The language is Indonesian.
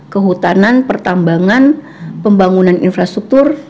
kehutanan pertambangan pembangunan infrastruktur